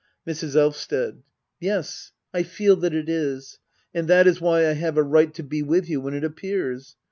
Mrs. Elvsted. Yes, I feel that it is. And that is why I have a right to be with you when it appears